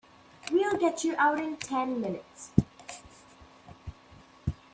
We'll get you out in ten minutes.